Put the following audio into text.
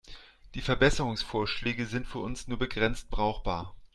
Die Verbesserungsvorschläge sind für uns nur begrenzt brauchbar.